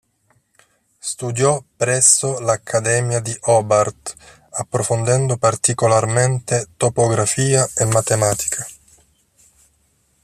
Studiò presso l"'Accademia di Hobart", approfondendo particolarmente topografia e matematica.